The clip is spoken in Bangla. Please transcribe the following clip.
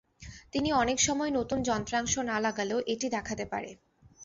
কিন্তু অনেক সময় নতুন যন্ত্রাংশ না লাগালেও এটি দেখাতে পারে।